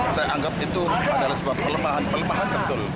saya anggap itu adalah sebuah pelemahan